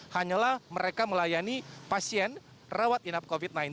hanyalah mereka melayani pasien rawat inap covid sembilan belas